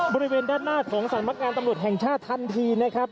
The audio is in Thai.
บริเวณด้านหน้าของสำนักงานตำรวจแห่งชาติทันทีนะครับ